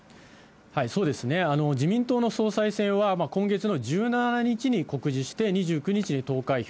そうですね、自民党の総裁選は今月の１７日に告示して２９日に投開票。